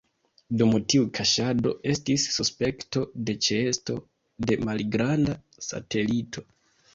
Dum tiu kaŝado, estis suspekto de ĉeesto de malgranda satelito.